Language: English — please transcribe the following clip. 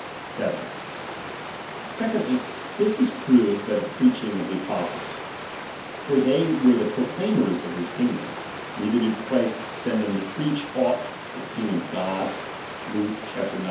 7. Secondly, this is proved by the preaching of iw" the apostles. For they were the proclaimers of his kingdom ; neither did Christ send them to preach aught but the kingdom of God (Luke ix.